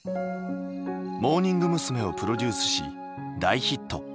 モーニング娘。をプロデュースし大ヒット。